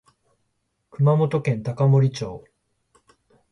熊本県高森町